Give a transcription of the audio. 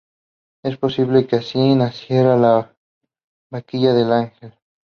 Es posible que así naciera la Vaquilla Del Ángel.